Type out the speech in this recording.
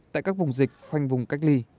tại các vùng dịch khoanh vùng cách ly